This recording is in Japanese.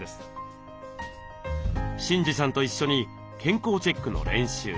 慎司さんと一緒に健康チェックの練習。